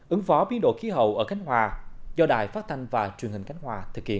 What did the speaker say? ứng phó biến đổi khí hậu ở khánh hòa do đài phát thanh và truyền hình cánh hòa thực hiện